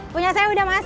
punya saya udah mas